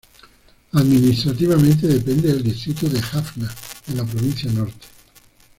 Administrativamente depende del Distrito de Jaffna, en la Provincia Norte.